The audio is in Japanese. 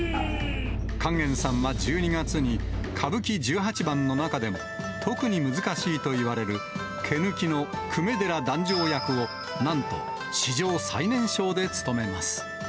勸玄さんは１２月に、歌舞伎十八番の中でも特に難しいと言われる毛抜の粂寺弾正役を、なんと史上最年少で勤めます。